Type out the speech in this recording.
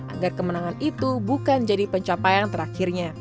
agar kemenangan itu bukan jadi pencapaian terakhirnya